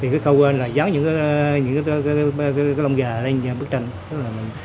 câu quên là dán những cái lông gà lên bức tranh